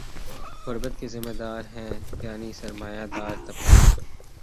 غربت کے ذمہ دار ہیں یعنی سر ما یہ دار طبقہ